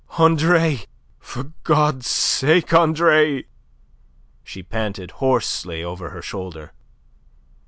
"Andre! For God's sake, Andre!" she panted hoarsely over her shoulder.